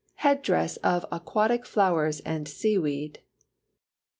Head dress of aquatic flowers and seaweed.